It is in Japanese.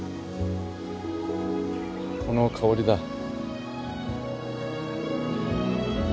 この香りだ。